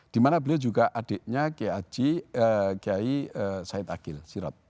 dimana beliau juga adiknya kayi haji said agil sirot